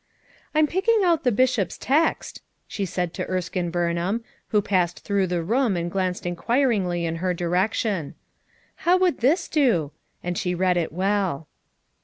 "Pm picking out the Bishop's text," she said to Erskine Burnham, who passed through the room and glanced inquiringly in her direc tion. "How would this do?" and she read it well.